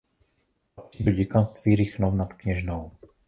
Patří do děkanství Rychnov nad Kněžnou.